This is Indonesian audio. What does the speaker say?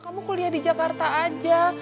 kamu kuliah di jakarta aja